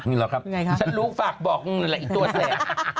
นี่หรอครับยังไงครับฉันรู้ฝากบอกอีกตัวแสบ